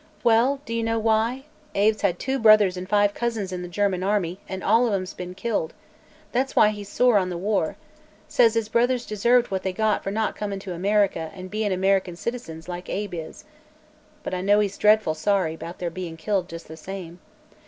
"Well, do you know why? Abe's had two brothers and five cousins in the German army, and all of 'em's been killed. That's why he's sore on the war. Says his brothers deserved what they got for not comin' to America an' bein' American citizens, like Abe is. But I know he's dreadful sorry 'bout their bein' killed just the same.